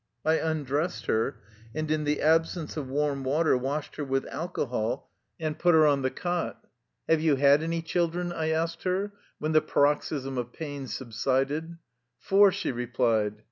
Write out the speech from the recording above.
I undressed her and, in the absence of warm wa ter, washed her with alcohol and put her on the cot. ^^Have you had any children?'' I asked her, when the paroxysm of pain subsided. " Four," she replied.